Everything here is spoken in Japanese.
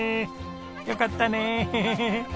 よかったね。